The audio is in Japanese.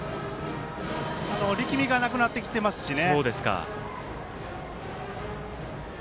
力みがなくなってきていますしね。